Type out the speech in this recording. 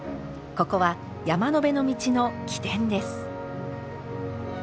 ここは山辺の道の起点です。